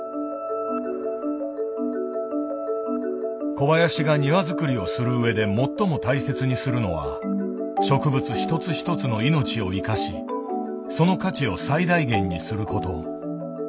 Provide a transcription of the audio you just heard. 小林が庭づくりをするうえで最も大切にするのは植物一つ一つの命を生かしその価値を最大限にすること。